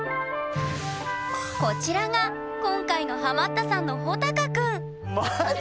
こちらが今回のハマったさんのまじ？